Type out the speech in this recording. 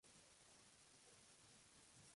I'm Gonna Be An Angel!